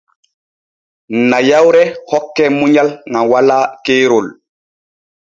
Nayawre hokke munyal ŋal walaa keerol.